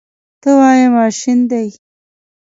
ته وایې ماشین دی.